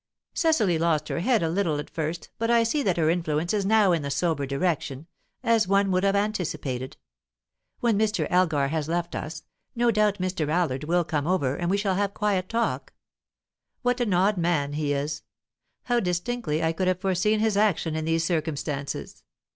"Cecily lost her head a little at first, but I see that her influence is now in the sober direction, as one would have anticipated. When Mr. Elgar has left us, no doubt Mr. Mallard will come over, and we shall have quiet talk, What an odd man he is! How distinctly I could have foreseen his action in these circumstances!